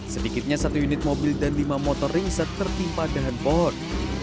sedikitnya satu unit mobil dan lima motor ringsek tertimpa dahan pohon